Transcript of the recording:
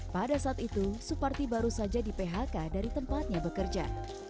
pada saat itu suparti baru saja di phk dari tempatnya bekerja